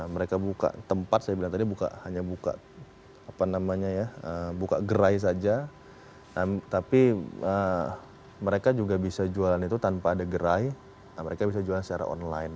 mereka buka tempat saya bilang tadi buka gerai saja tapi mereka juga bisa jualan itu tanpa ada gerai mereka bisa jual secara online